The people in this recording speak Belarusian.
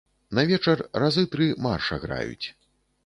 На вечар разы тры марша граюць.